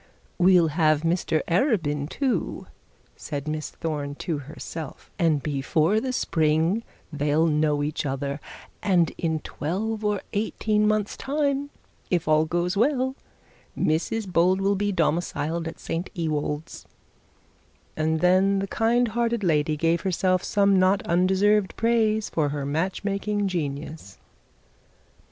'We'll have Mr Arabin too,' said Miss Thorne to herself; 'and before the spring they'll know each other; and in twelve or eighteen months' time, if all goes well, Mrs Bold will be domiciled at St Ewold's'; and then the kind hearted lady gave herself some not undeserved praise for her matching genius.